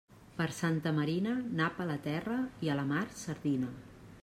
Per Santa Marina, nap a la terra, i a la mar, sardina.